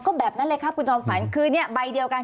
ก็แบบนั้นเลยครับคุณจอมฝันคือใบเดียวกัน